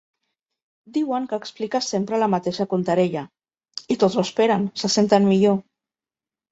Diuen que expliques sempre la mateixa contarella; i tots ho esperen, se senten millor.